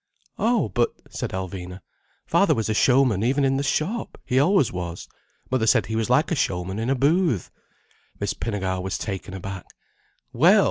"Oh but," said Alvina, "father was a showman even in the shop. He always was. Mother said he was like a showman in a booth." Miss Pinnegar was taken aback. "Well!"